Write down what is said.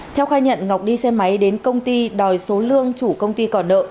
theo khai nhận ngọc đi xe máy đến công ty đòi số lương chủ công ty còn nợ